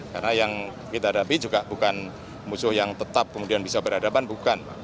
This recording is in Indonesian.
karena yang kita hadapi juga bukan musuh yang tetap kemudian bisa berhadapan bukan